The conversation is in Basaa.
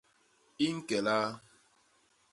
I ñke laa?